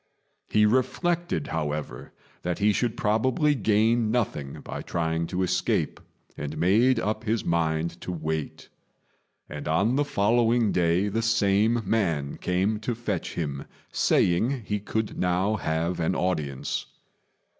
He reflected, however, that he should probably gain nothing by trying to escape, and made up his mind to wait; and on the following day the same man came to fetch him, saying he could now have an audience.